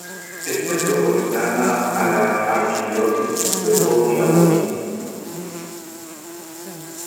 Es metropolitana a la Arquidiócesis de Foggia-Bovino.